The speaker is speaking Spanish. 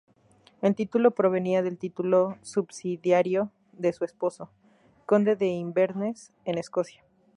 El título provenía del título subsidiario de su esposo: "Conde de Inverness", en Escocia.